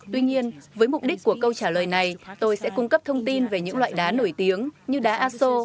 tuy nhiên với mục đích của câu trả lời này tôi sẽ cung cấp thông tin về những loại đá nổi tiếng như đá aso